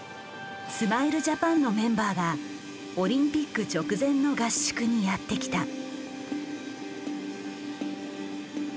スマイルジャパンのメンバーがオリンピック直前の合宿にやって来た。